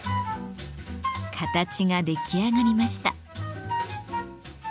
形が出来上がりました。